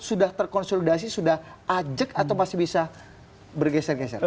sudah terkonsolidasi sudah ajek atau masih bisa bergeser geser